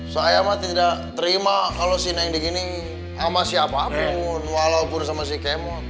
saya mah tidak terima kalau si neng begini sama siapapun walaupun sama si kemon